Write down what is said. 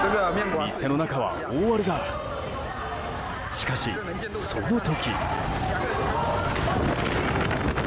しかし、その時。